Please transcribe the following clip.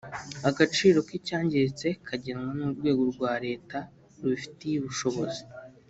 agaciro k’icyangiritse kagenwa n’urwego rwa Leta rubifitiye ubushobozi